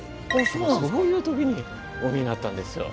そういう時にお見えになったんですよ。